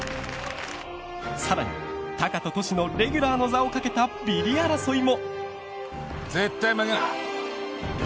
更にタカとトシのレギュラーの座をかけたビリ争いも。